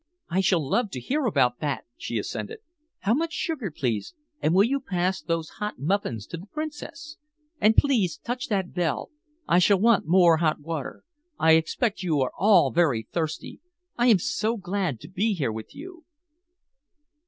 "I shall love to hear about that," she assented. "How much sugar, please, and will you pass those hot muffins to the Princess? And please touch that bell. I shall want more hot water. I expect you are all very thirsty. I am so glad to be here with you."